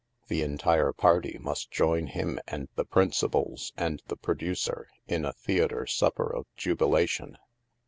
The entire party must join him and the principals and the producer in a theatre supper of jubilation.